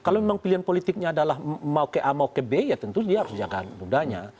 kalau memang pilihan politiknya adalah mau ke a mau ke b ya tentu dia harus dijaga mudanya